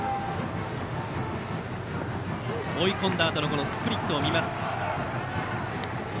追い込んだあとスプリットを見ました。